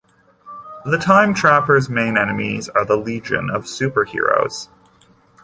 The Time Trapper's main enemies are the Legion of Super-Heroes.